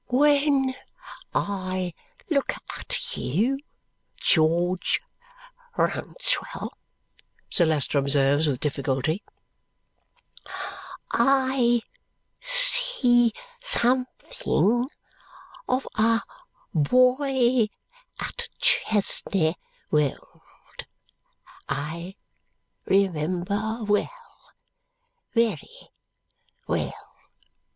"When I look at you, George Rouncewell," Sir Leicester observes with difficulty, "I see something of a boy at Chesney Wold I remember well very well."